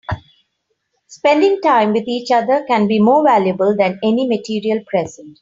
Spending time with each other can be more valuable than any material present.